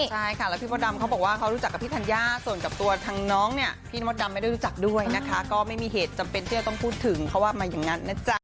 ใช่ค่ะแล้วพี่มดดำเขาบอกว่าเขารู้จักกับพี่ธัญญาส่วนกับตัวทางน้องเนี่ยพี่มดดำไม่ได้รู้จักด้วยนะคะก็ไม่มีเหตุจำเป็นที่จะต้องพูดถึงเขาว่ามาอย่างนั้นนะจ๊ะ